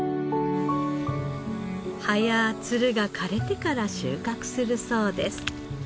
葉やツルが枯れてから収穫するそうです。